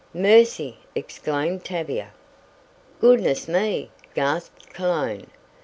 "Mercy!" exclaimed Tavia. "Goodness me!" gasped Cologne.